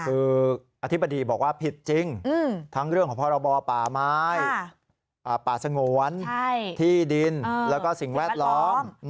คืออธิบดีบอกว่าผิดจริงทั้งเรื่องของพรบป่าไม้ป่าสงวนที่ดินแล้วก็สิ่งแวดล้อม